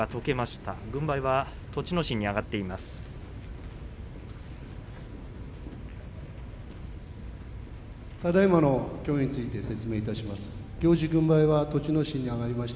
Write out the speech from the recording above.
ただいまの協議について説明します。